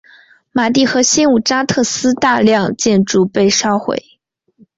马蒂和新武特扎斯大量建筑被烧毁。